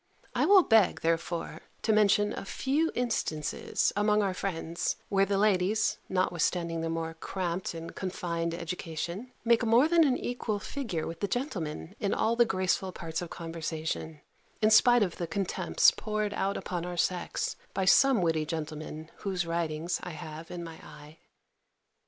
I will beg, therefore, to mention a few instances among our friends, where the ladies, notwithstanding their more cramped and confined education, make more than an equal figure with the gentlemen in all the graceful parts of conversation, in spite of the contempts poured out upon our sex by some witty gentlemen, whose writings I have in my eye.